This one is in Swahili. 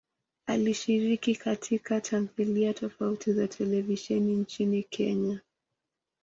Alishiriki katika tamthilia tofauti za televisheni nchini Kenya.